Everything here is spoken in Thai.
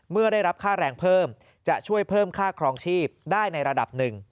เมื่อได้รับค่าแรงเพิ่มจะช่วยเพิ่มค่าครองชีพได้ในระดับหนึ่ง